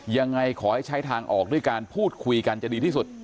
ยังไงขอให้ใช้ทางออกด้วยการพูดคุยกันจะดีที่สุด